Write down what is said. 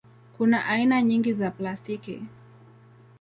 Kuna aina nyingi za plastiki.